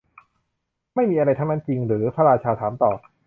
ไม่มีอะไรทั้งนั้นจริงเหรอ พระราชาถามต่อ